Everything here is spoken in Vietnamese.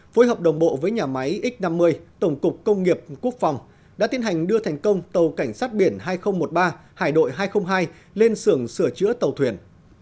phối hợp đồng bộ với nhà máy x năm mươi tổng cục công nghiệp quốc phòng đã tiến hành đưa thành công tàu cảnh sát biển hai nghìn một mươi ba hải đội hai trăm linh hai lên sưởng sửa chữa tàu thuyền